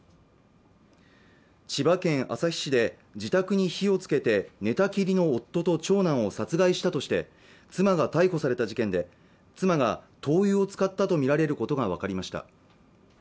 千葉県旭市で自宅に火をつけて寝たきりの夫と長男を殺害したとして妻が逮捕された事件で妻が灯油を使ったと見られることが分かりました